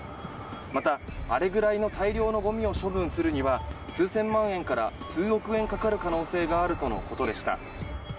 また、あれぐらいの大量のごみを処分するには数千万円から数億円かかる可能性があるとのことでした。